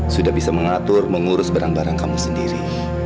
sudah bisa mengatur mengurus barang barang kamu sendiri